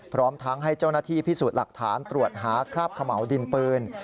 พร้อมทั้งให้เจ้าหน้าที่พิสูจน์หลักฐานตรวจหาคราบเขม่าวดินปืน